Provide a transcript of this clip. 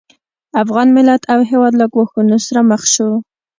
افغان ملت او هېواد له ګواښونو سره مخ شو